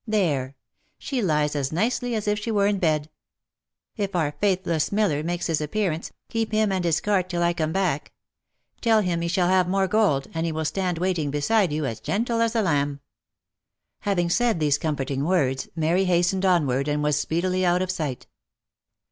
There ! she lies as nicely as if she were in bed. If our faithless miller makes his appearance, keep him and his cart till I come back ; tell him he shall have more gold, and he will stand waiting beside you, as gentle as a lamb." Having said these comforting words, Mary hastened onward and was speedily out of sight.